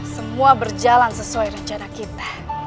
semua berjalan sesuai rencana kita